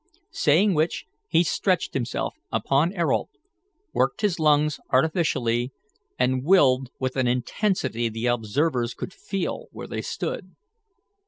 Saying which, he stretched himself upon Ayrault, worked his lungs artificially, and willed with an intensity the observers could feel where they stood.